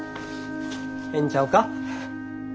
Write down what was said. ええんちゃうか。